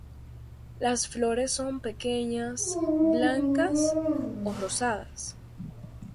Las flores son pequeñas, blancas o rosadas.